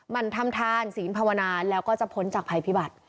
มันทำทานศีลภาวนาแล้วก็จะพ้นจากภัยพิบัติ